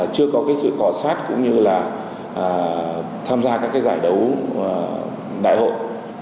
chưa có cái sự cỏ sát cũng như là tham gia các cái giải đấu đại hội